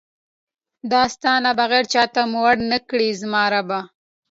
دا ستا نه بغیر چاته مو اړ نکړې زما ربه!